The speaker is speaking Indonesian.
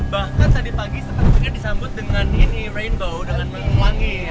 bahkan tadi pagi sempat sempat disambut dengan ini rainbow dengan pelangi ya